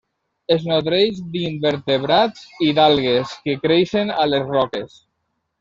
Es nodreix d'invertebrats i d'algues que creixen a les roques.